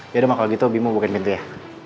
yaudah maka gitu bimo bukain pintu ya